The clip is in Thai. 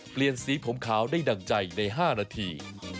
เปลี่ยนสีผมขาวได้ดั่งใจใน๕นาที